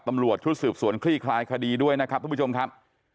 ตำรวจชุดสืบสวนคลี่คลายคดีด้วยนะครับทุกผู้ชมครับ